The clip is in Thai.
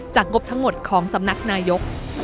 งบทั้งหมดของสำนักนายก